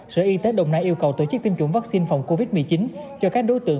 sở y tế đồng nai yêu cầu tổ chức tiêm chủng vaccine phòng covid một mươi chín cho các đối tượng